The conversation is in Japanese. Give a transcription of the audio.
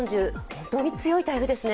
本当に強い台風ですね。